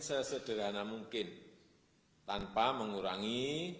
sesederhana mungkin tanpa mengurangi